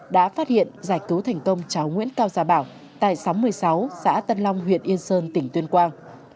đã phát hiện giải cứu thành công cháu nguyễn cao gia bảo tại xóm một mươi sáu xã tân long huyện yên sơn tỉnh tuyên quang